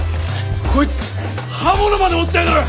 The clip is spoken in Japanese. こいつ刃物まで持ってやがる！